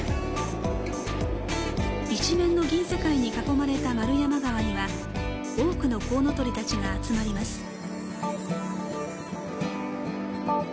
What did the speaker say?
一面の銀世界に囲まれた円山川には、多くのコウノトリたちが集まります。